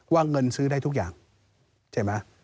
ว่าเงินซื้อได้ทุกอย่างเจ๋มา